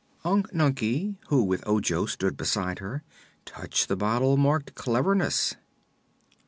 Unc Nunkie, who with Ojo stood beside her, touched the bottle marked "Cleverness."